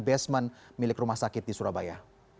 basement milik rumah sakit di surabaya